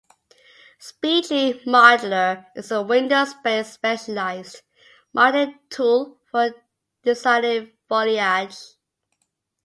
SpeedTree Modeler is a Windows-based specialized modeling tool for designing foliage.